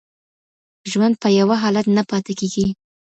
ژوند په یوه حالت نه پاتې کیږي.